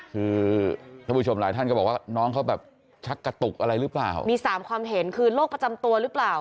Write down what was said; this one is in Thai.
คือท่านผู้ชมหลายท่านก็บอกว่าน้องเขาแบบชักกระตุกอะไรหรือเปล่ามีสามความเห็นคือโรคประจำตัวหรือเปล่า